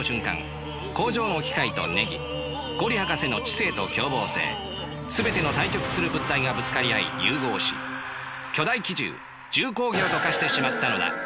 工場の機械とネギ五里博士の知性と凶暴性全ての対極する物体がぶつかり合い融合し巨大奇獣重工業と化してしまったのだ。